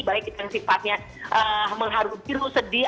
baik itu yang sifatnya mengharu diru sedih